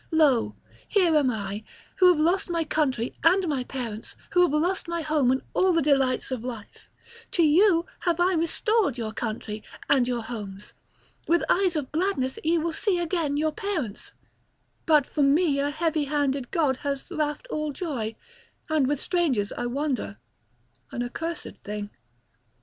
Lo, here am I, who have lost my country and my parents, who have lost my home and all the delights of life; to you have I restored your country and your homes; with eyes of gladness ye will see again your parents; but from me a heavy handed god has raft all joy; and with strangers I wander, an accursed thing.